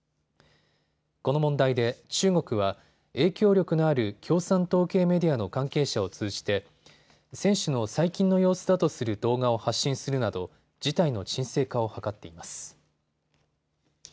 この問題で中国は影響力のある共産党系メディアの関係者を通じて選手の最近の様子だとする動画を発信するなど事態の沈静化を図っています。